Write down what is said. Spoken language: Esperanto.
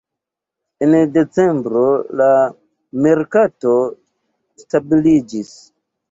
En decembro la merkato stabiliĝis.